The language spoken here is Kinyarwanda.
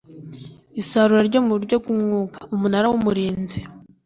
isarura ryo mu buryo bw umwuka Umunara w Umurinzi